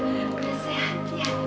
mama keliatannya sikap sekali